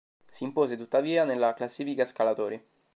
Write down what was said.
Si impose, tuttavia, nella classifica scalatori.